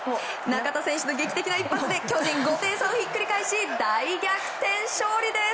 中田選手の劇的な一発で巨人５点差をひっくり返し大逆転勝利です！